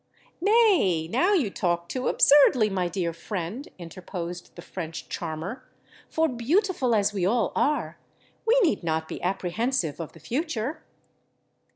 "Nay—now you talk too absurdly, my dear friend," interposed the French charmer; "for, beautiful as we all are, we need not be apprehensive of the future."